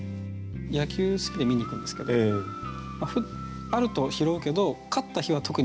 野球好きで見に行くんですけどあると拾うけど勝った日は特にゴミ拾って帰りますね。